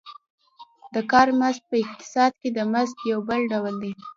د کار مزد په اقتصاد کې د مزد یو بل ډول دی